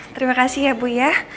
terima kasih ya bu ya